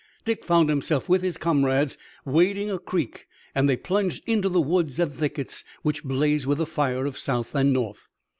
Dick found himself with his comrades, wading a creek, and they plunged into the woods and thickets which blazed with the fire of South and North.